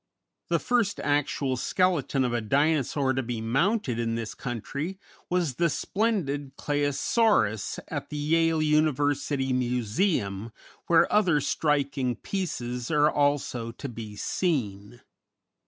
The first actual skeleton of a Dinosaur to be mounted in this country was the splendid Claosaurus at the Yale University Museum, where other striking pieces are also to be seen.